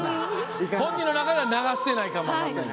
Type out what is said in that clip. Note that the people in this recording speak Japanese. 本人の中では流してないかも。